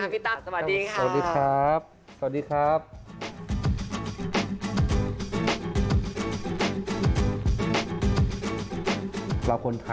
พี่ต้ามอายุ๕๙แล้วนะ